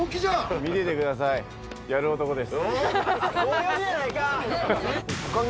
見ててください、やる男です。